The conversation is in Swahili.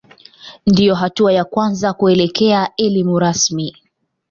Ndiyo hatua ya kwanza kuelekea elimu rasmi.